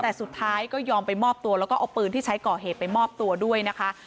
แต่สุดท้ายก็ยอมไปมอบตัวแล้วก็เอาปืนที่ใช้ก่อเหตุไปมอบตัวด้วยนะคะ